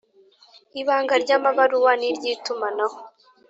Ibanga ry’amabaruwa n’iry’itumanaho